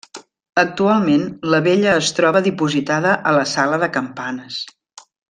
Actualment la vella es troba dipositada a la sala de campanes.